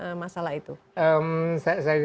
pencabutan dmo ini akan bisa menyelesaikan masalah itu